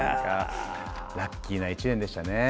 ラッキーな１年でしたね。